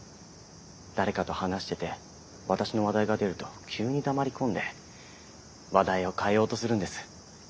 誰かと話してて私の話題が出ると急に黙り込んで話題を変えようとするんです。